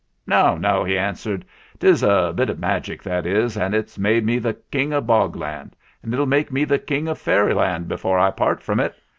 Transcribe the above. "No, no!" he answered. " 'Tis a bit of magic, that is, and it's made me the King of Bog Land, and it'll make me the King of Fairyland before I part from it.